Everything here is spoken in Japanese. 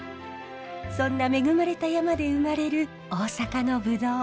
そんな恵まれた山で生まれる大阪のブドウ。